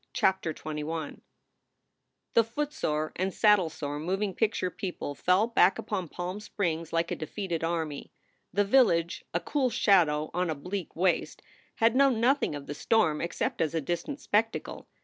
CHAPTER XXI THE footsore and saddlesore moving picture people fell back upon Palm Springs like a defeated army. The village, a cool shadow on a bleak waste, had known nothing of the storm except as a distant spectacle.